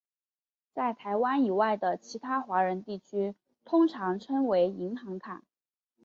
在台湾以外的其他华人地区通常称为银行卡。